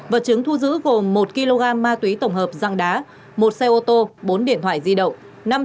vật chứng thu giữ gồm một kg ma túy tổng hợp dạng đá một xe ô tô bốn điện thoại di động